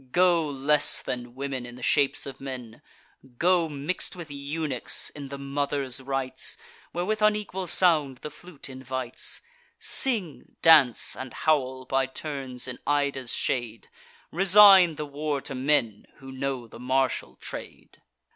Go, less than women, in the shapes of men! Go, mix'd with eunuchs, in the Mother's rites, Where with unequal sound the flute invites; Sing, dance, and howl, by turns, in Ida's shade: Resign the war to men, who know the martial trade!"